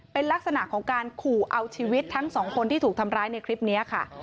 เป็นลักษณะของการขู่เอาชีวิตทั้งสองคนที่ถูกทำร้ายในคลิปนี้ค่ะ